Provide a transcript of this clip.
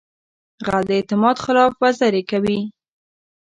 غل د اعتماد خلاف ورزي کوي